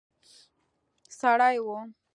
سړی وو.